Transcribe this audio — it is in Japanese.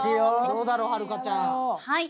どうだろうはるかちゃん。